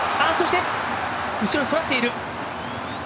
後ろにそらしている！